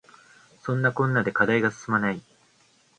そんなこんなで課題が進まない